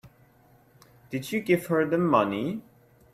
Did you give her the money?